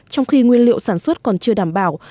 trong khi nguyên liệu sản xuất còn chưa đảm bảo